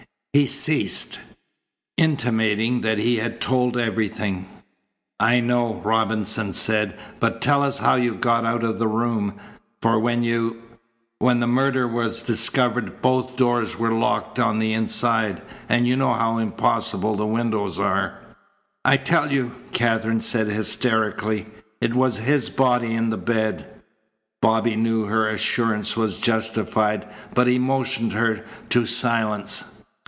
He ceased, intimating that he had told everything. "I know," Robinson said, "but tell us how you got out of the room, for when you when the murder was discovered, both doors were locked on the inside, and you know how impossible the windows are." "I tell you," Katherine said hysterically, "it was his body in the bed." Bobby knew her assurance was justified, but he motioned her to silence.